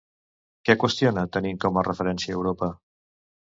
Què qüestiona tenint com a referència Europa?